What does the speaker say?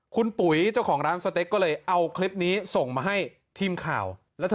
คุณปุ๋ยเจ้าของร้านสเต็กก็เลยเอาคลิปนี้ส่งมาให้ทีมข่าว